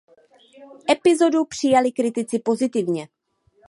Epizodu přijali kritici pozitivně.